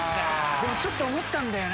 でもちょっと思ったんだよな。